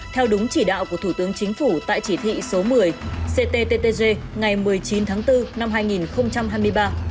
theo đúng chỉ đạo của thủ tướng chính phủ tại chỉ thị số một mươi cttg ngày một mươi chín tháng bốn năm hai nghìn hai mươi ba